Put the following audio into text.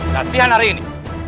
latihan hari ini